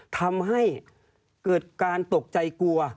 ทำให้เกิดการตกใจกลัว